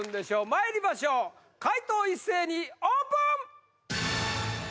まいりましょう解答一斉にオープンあれ？